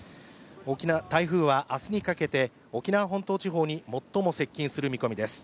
台風は明日にかけて沖縄本島地方に最も接近する見込みです。